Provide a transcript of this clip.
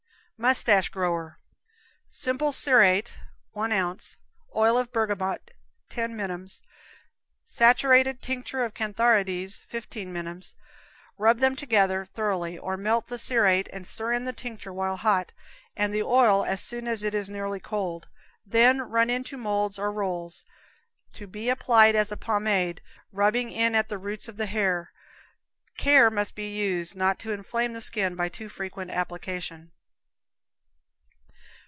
Mustache Grower. Simple cerate, 1 ounce; oil bergamot, 10 minims; saturated tinct. of cantharides, 15 minims. Rub them together thoroughly, or melt the cerate and stir in the tincture while hot, and the oil as soon as it is nearly cold, then run into molds or rolls. To be applied as a pomade, rubbing in at the roots of the hair. Care must be used not to inflame the skin by too frequent application.